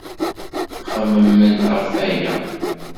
Xemmement ɣef waya.